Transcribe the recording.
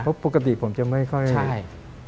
เพราะปกติผมจะไม่ค่อยใช่